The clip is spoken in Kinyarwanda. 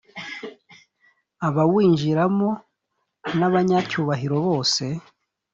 abawinjiramo nabanya cyubahiro bose.